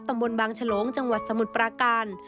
ตำบลบางชะลงจังหวัดสมุทรประกัน